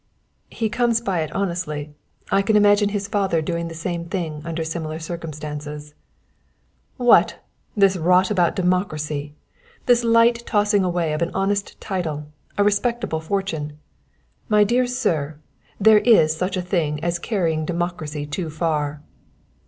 "He comes by it honestly. I can imagine his father doing the same thing under similar circumstances." "What! This rot about democracy! This light tossing away of an honest title, a respectable fortune! My dear sir, there is such a thing as carrying democracy too far!"